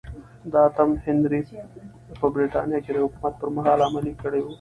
د اتم هنري په برېټانیا کې د حکومت پرمهال عملي کړې وه.